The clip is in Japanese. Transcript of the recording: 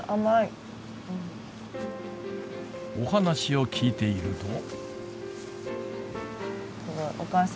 お話を聞いていると。